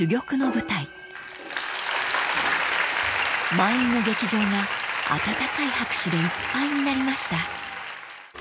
［満員の劇場が温かい拍手でいっぱいになりました］